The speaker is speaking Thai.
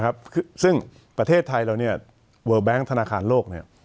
ครับซึ่งประเทศไทยเราเนี่ยเวอร์แบงค์ธนาคารโลกเนี่ย